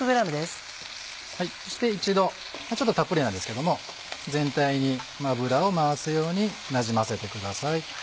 そして一度ちょっとたっぷりなんですけども全体に油を回すようになじませてください。